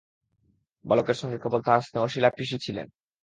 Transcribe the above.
বালকের সঙ্গে কেবল তাহার স্নেহশীলা পিসি ছিলেন।